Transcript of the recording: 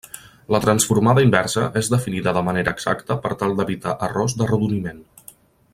La transformada inversa és definida de manera exacta per tal d'evitar errors d'arrodoniment.